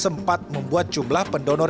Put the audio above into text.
sehingga sejumlah pendonor darahnya lebih besar